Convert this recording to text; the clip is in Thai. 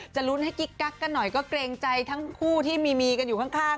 ลุ้นให้กิ๊กกักกันหน่อยก็เกรงใจทั้งคู่ที่มีกันอยู่ข้าง